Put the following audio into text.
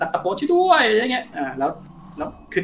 ตะโกนช่วยด้วยอะไรอย่างนี้